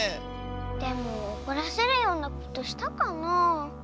でもおこらせるようなことしたかなあ。